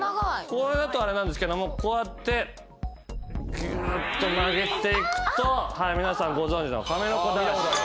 これだとあれなんですけどもこうやってぎゅっと曲げていくと皆さんご存じの。